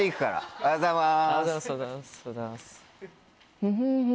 おはようございます。